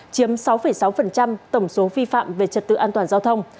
chiếm sáu sáu tổng số vi phạm về trật tự an toàn giao thông